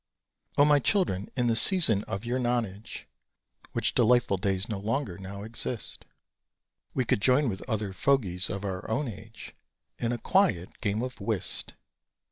O my Children, in the season of your nonage, (Which delightful days no longer now exist!) We could join with other fogeys of our own age In a quiet game of whist.